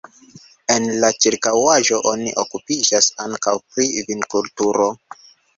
En la ĉirkaŭaĵo oni okupiĝas ankaŭ pri vinkulturo.